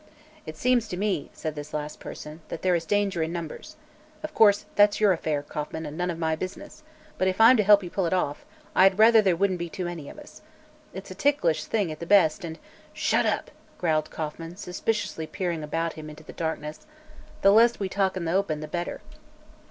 "It seems to me," said this last person, "that there is danger in numbers. Of course, that's your affair, Kauffman, and none of my business, but if I'm to help you pull it off, I'd rather there wouldn't be too many of us. It's a ticklish thing, at the best, and " "Shut up!" growled Kauffman, suspiciously peering around him into the darkness. "The less we talk in the open, the better."